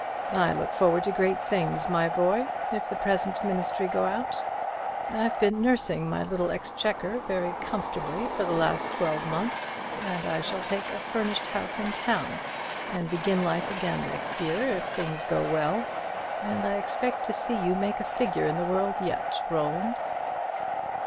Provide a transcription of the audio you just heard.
I look forward to great things, my boy, if the present ministry go out. I've been nursing my little exchequer very comfortably for the last twelve months; and I shall take a furnished house in town, and begin life again next year, if things go well; and I expect to see you make a figure in the world yet, Roland."